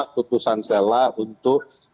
kutusan selah untuk